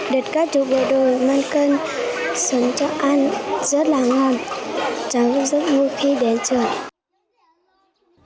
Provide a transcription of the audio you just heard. được các chú bộ đồ mang cân xuống chợ ăn rất là ngon cháu rất vui khi đến trường